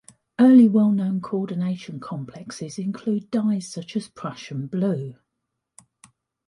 Early well-known coordination complexes include dyes such as Prussian blue.